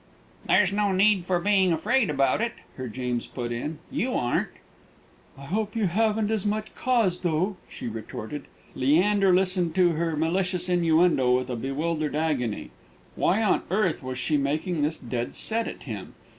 "There's no need for being afraid about it," her James put in; "you aren't!" "I hope you haven't as much cause, though," she retorted. Leander listened to her malicious innuendo with a bewildered agony. Why on earth was she making this dead set at him?